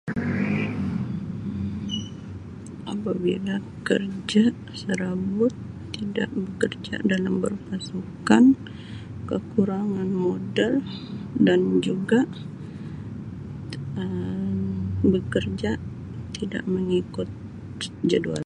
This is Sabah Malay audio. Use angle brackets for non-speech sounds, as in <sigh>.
<noise> Apabila kerja serabut, tidak bekerja dalam pasukan, kekurangan modal dan juga Um bekerja tidak mengikut jadual.